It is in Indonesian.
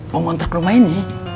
mau ngontrak rumah ini